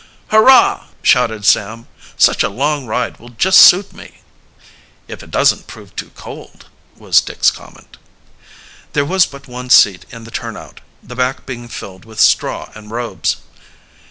"Hurrah!" shouted Sam. "Such a long ride will just suit me!" "If it doesn't prove too cold," was Dick's comment. There was but one seat in the turnout, the back being filled with straw and robes.